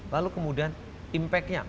lalu kemudian impact nya